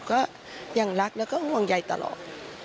ก็ยังรักแล้วก็ห่วงใยตลอด